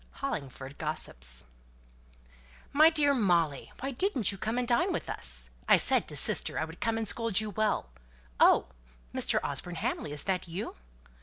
HOLLINGFORD GOSSIPS. [Illustration (untitled)] "My dear Molly, why didn't you come and dine with us? I said to sister I would come and scold you well. Oh, Mr. Osborne Hamley, is that you?"